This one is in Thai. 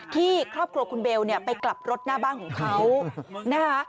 ที่ครอบครัวคุณเบลไปกลับรถหน้าบ้านของเขา